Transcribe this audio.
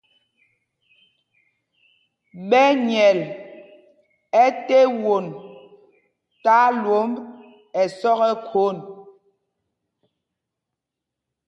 Ɓɛ nyɛl ɛte won tí alwǒmb ɛsɔk ɛ́ khwôn.